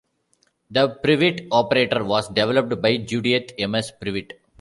The Prewitt operator was developed by Judith M. S. Prewitt.